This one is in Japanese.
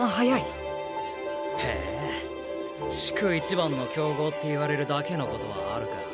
へえ地区一番の強豪って言われるだけのことはあるか。